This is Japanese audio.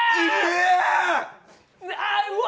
うわ！